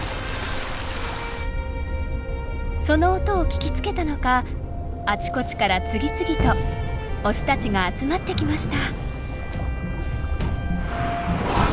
その音を聞きつけたのかあちこちから次々とオスたちが集まってきました。